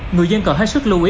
người dân cần hết sức lưu ý